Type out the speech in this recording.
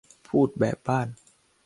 พูดแบบบ้าน